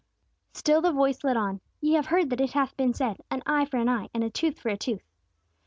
Still the voice led on, "Ye have heard that it hath been said, 'An eye for an eye and a tooth for a tooth.'"